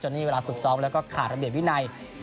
นี่เวลาฝึกซ้อมแล้วก็ขาดระเบียบวินัย